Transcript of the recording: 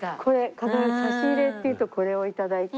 必ず差し入れっていうとこれをいただいて。